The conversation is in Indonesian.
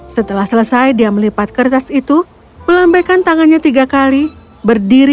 setelah selesai dia melipat kertas itu melambaikan tangannya tiga kali berdiri